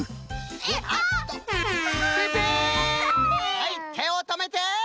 はいてをとめて！